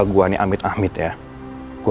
kalau kejadian ini terjadi sama gua keluarga gua